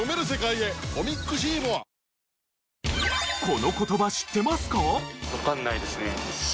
この言葉知ってますか？